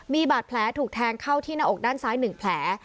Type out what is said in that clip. มีบาดแผลถูกแทงเข้าที่หน้าอกด้านซ้าย๑แผล